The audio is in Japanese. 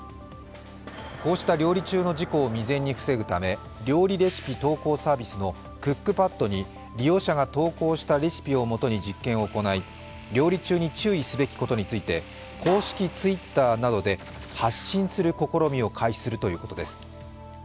こうした料理中の事故を未然に防ぐため、料理レシピ投稿サービスのクックパッドに利用者が投稿したレシピをもとに実験を行い料理中に注意すべきことについて公式Ｔｗｉｔｔｅｒなどで発信する試みを開始するということです。